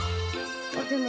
でも